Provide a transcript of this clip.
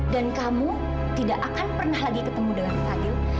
dan kamu tidak akan pernah lagi ketemu dengan fadl